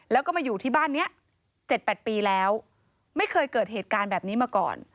แล้วก็มาอยู่ที่บ้านนี้๗๘ปีแล้วไม่เคยเกิดเหตุการณ์แบบนี้มาก่อน